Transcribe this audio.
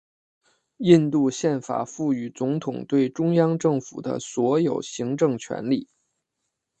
印度宪法赋予总统对中央政府的所有行政权力。